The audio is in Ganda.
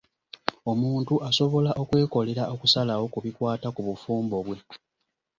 Omuntu asobola okwekolera okusalawo ku bikwata ku bufumbo bwe.